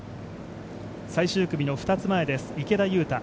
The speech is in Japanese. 最終組の２つ前です池田勇太